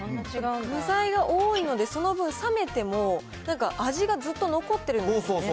具材が多いので、その分冷めても、味がずっと残ってるんですよね